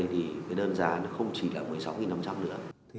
thì đơn giá không chỉ là một mươi sáu năm trăm linh nữa